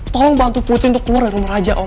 tolong bantu putri untuk keluar dari rumah aja om